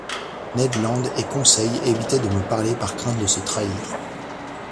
Ned Land et Conseil évitaient de me parler par crainte de se trahir.